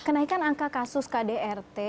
kenaikan angka kasus kdrt